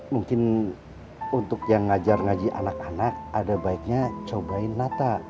dan untuk yang mengajar ngaji anak anak ada baiknya coba nata